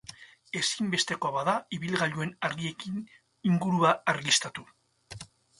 Ezinbestekoa bada ibilgailuen argiekin ingurua argiztatu.